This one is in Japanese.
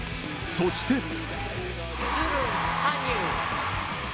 そして